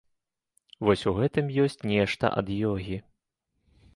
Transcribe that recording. Вось у гэтым ёсць нешта ад ёгі.